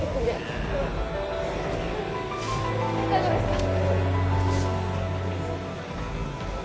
大丈夫ですか？